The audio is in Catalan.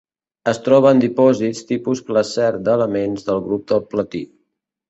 Es troba en dipòsits tipus placer d'elements del grup del platí.